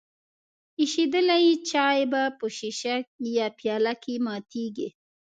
ایشیدلی چای په ښیښه یي پیاله کې ماتیږي.